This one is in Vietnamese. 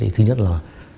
thứ nhất là